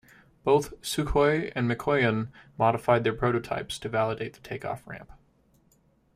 Both Sukhoi and Mikoyan modified their prototypes to validate the takeoff ramp.